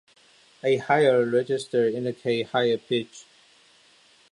A higher register indicates higher pitch.